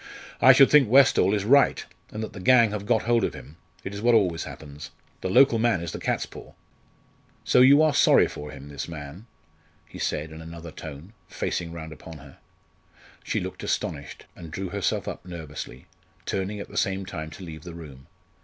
"I should think Westall is right, and that the gang have got hold of him. It is what always happens. The local man is the catspaw. So you are sorry for him this man?" he said in another tone, facing round upon her. She looked astonished, and drew herself up nervously, turning at the same time to leave the room.